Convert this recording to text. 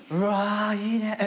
うわいいね。